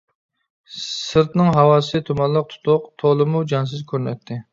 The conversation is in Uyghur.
سىرتنىڭ ھاۋاسى تۇمانلىق، تۇتۇق، تولىمۇ جانسىز كۆرۈنەتتى.